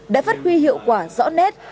đó là một cái hiệu quả rõ nét